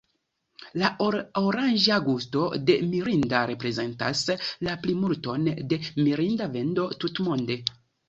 La oranĝa gusto de "Mirinda" reprezentas la plimulton de Mirinda vendo tutmonde.